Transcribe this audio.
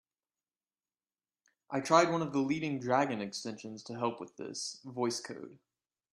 I tried one of the leading Dragon extensions to help with this, Voice Code.